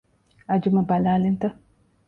އަޖުމަ ބަލާލިންތަ؟